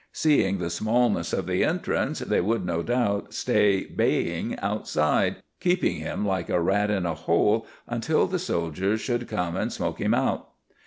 Seeing the smallness of the entrance, they would no doubt stay baying outside, keeping him like a rat in a hole until the soldiers should come and smoke him out.